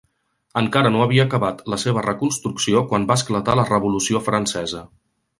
Encara no havia acabat la seva reconstrucció quan va esclatar la Revolució francesa.